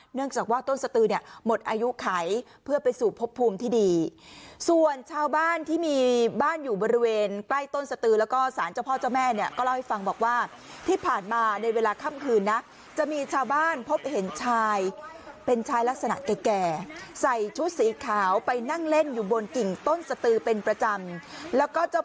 เนื่องจากว่าต้นสตือเนี่ยหมดอายุไขเพื่อไปสู่พบภูมิที่ดีส่วนชาวบ้านที่มีบ้านอยู่บริเวณใกล้ต้นสตือแล้วก็สารเจ้าพ่อเจ้าแม่เนี่ยก็เล่าให้ฟังบอกว่าที่ผ่านมาในเวลาค่ำคืนนะจะมีชาวบ้านพบเห็นชายเป็นชายลักษณะแก่ใส่ชุดสีขาวไปนั่งเล่นอยู่บนกิ่งต้นสตือเป็นประจำแล้วก็เจ้า